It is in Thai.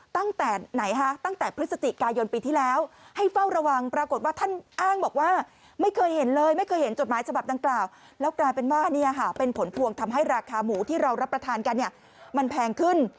ตั้งแต่ไหนฮะตั้งแต่พฤศจิกายนปีที่แล้วให้เฝ้าระวังปรากฏว่าท่านอ้างบอกว่าไม่เคยเห็นเลยไม่เคยเห็นจดหมายฉบับดังกล่าวแล้วกลายเป็นว่าเป็นผลพวงทำให้ราคาหมูที่เรารับประทานกันเนี่ยมันแพงขึ้น